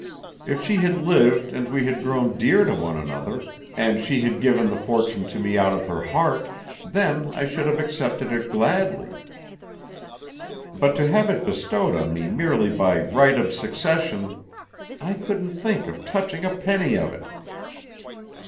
If she had lived and we had grown dear to one another, and she had given the fortune to me out of her heart, then I should have accepted it gladly. But to have it bestowed on me merely by right of succession I couldn't think of touching a penny of it!"